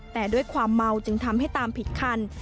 แต่ด้วยความเมาจึงทำให้ตามผิดคัน